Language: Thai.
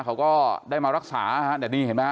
เขาก็ได้มารักษานะฮะแต่นี่เห็นไหมฮ